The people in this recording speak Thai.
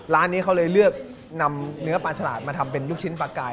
ร้านนี้เขาเลยเลือกนำเนื้อปลาฉลาดมาทำเป็นลูกชิ้นปลากาย